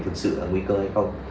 thực sự nguy cơ hay không